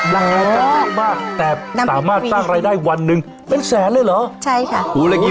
แรงมากแต่สามารถสร้างรายได้วันหนึ่งเป็นแสนเลยเหรอใช่ค่ะหูอะไรอย่างงี